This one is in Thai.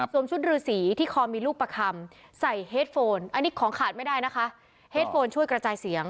ชุดรือสีที่คอมีลูกประคำใส่เฮดโฟนอันนี้ของขาดไม่ได้นะคะเฮดโฟนช่วยกระจายเสียง